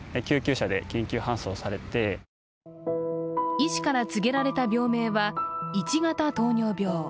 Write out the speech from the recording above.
医師から告げられた病名は、１型糖尿病。